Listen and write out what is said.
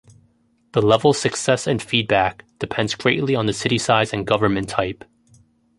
The level success and feedback depends greatly on the city size and government type.